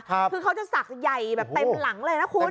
คือเขาจะศักดิ์ใหญ่แบบเต็มหลังเลยนะคุณ